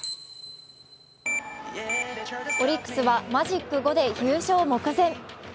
オリックスはマジック５で優勝目前。